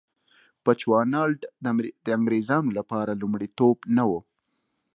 بچوانالنډ د انګرېزانو لپاره لومړیتوب نه و.